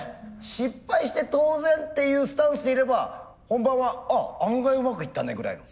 失敗して当然っていうスタンスでいれば本番は「あ案外うまくいったね」ぐらいの。